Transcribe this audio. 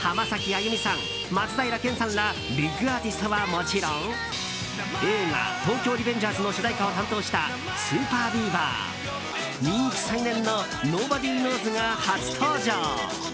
浜崎あゆみさん、松平健さんらビッグアーティストはもちろん映画「東京リベンジャーズ」の主題歌を担当したＳＵＰＥＲＢＥＡＶＥＲ人気再燃のｎｏｂｏｄｙｋｎｏｗｓ＋が初登場。